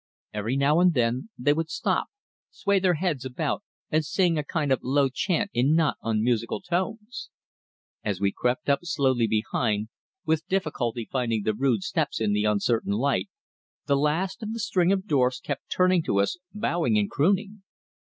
Every now and then they would stop, sway their heads about and sing a kind of low chant in not unmusical tones. As we crept up slowly behind, with difficulty finding the rude steps in the uncertain light, the last of the string of dwarfs kept turning to us bowing and crooning.